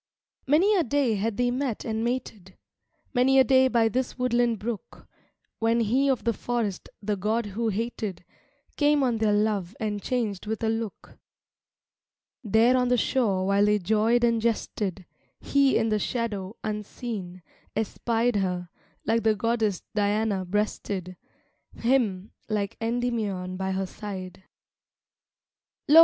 VI Many a day had they met and mated, Many a day by this woodland brook, When he of the forest, the god who hated, Came on their love and changed with a look. There on the shore, while they joyed and jested, He in the shadows, unseen, espied Her, like the goddess Diana breasted, Him, like Endymion by her side. VII Lo!